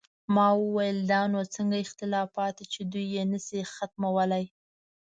ما وویل: دا نو څنګه اختلافات دي چې دوی یې نه شي ختمولی؟